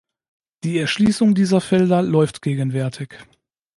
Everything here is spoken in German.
Die Erschließung dieser Felder läuft gegenwärtig.